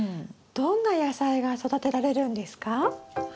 どんな野菜が育てられるんですか？